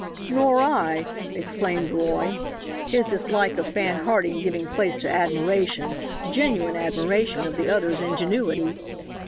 "Nor I," exclaimed Roy, his dislike of Fan Harding giving place to admiration genuine admiration of the other's ingenuity.